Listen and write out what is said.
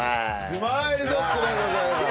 スマイルドッグでございます。